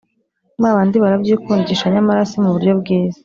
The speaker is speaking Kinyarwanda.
Ba bandi barabyikundisha nyamara si mu buryo bwiza